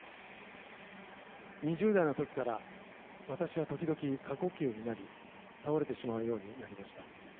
２０代の時から私は時々、過呼吸になり倒れてしまうようになりました。